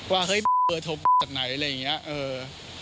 ว่าเฮ่ยโทรศัพท์จากไหนอะไรอย่างนี้